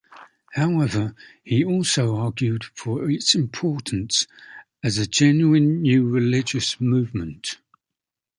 However, he also argued for its importance as a genuine new religious movement.